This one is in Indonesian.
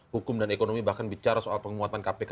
hukum dan ekonomi bahkan bicara soal penguatan kpk